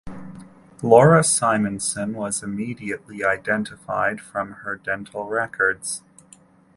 Laura Simonson was immediately identified from her dental records.